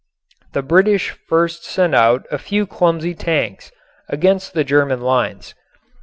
The British first sent out a few clumsy tanks against the German lines.